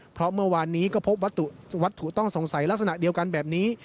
เพราะเมื่อวานนี้ก็พบวัตถุวัตถุต้องสงสัยลักษณะเดียวกันแบบนี้